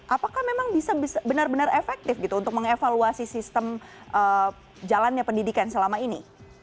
apakah memang bisa benar benar efektif gitu untuk mengevaluasi sistem jalannya pendidikan selama ini